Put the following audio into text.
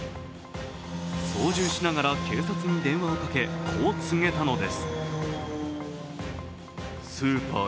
操縦しながら警察に電話をかけこう告げたのです。